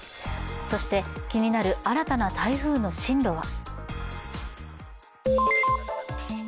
そして、気になる新たな台風の進路は？